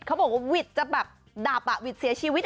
เขาบอกว่าวิทย์จะแบบดับวิทย์เสียชีวิต